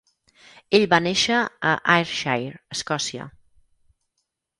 Ell va néixer a Ayrshire, Escòcia.